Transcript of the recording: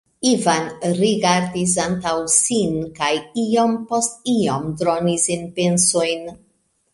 Ivan rigardis antaŭ sin kaj iom post iom dronis en pensojn.